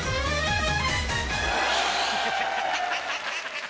ハハハハハ。